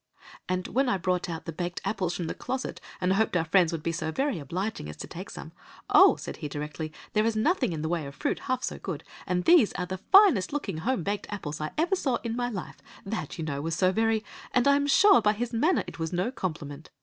"And when I brought out the baked apples from the closet, and hoped our friends would be so very obliging as to take some, 'Oh,' said he directly, 'there is nothing in the way of fruit half so good, and these are the finest looking home baked apples I ever saw in my life.' That, you know, was so very— And I am sure by his manner it was no compliment.